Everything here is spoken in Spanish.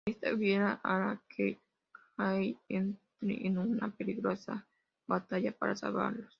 Esta huida hará que Tahir entre en una peligrosa batalla para salvarlos.